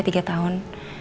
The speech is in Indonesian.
sekitar dua tiga tahun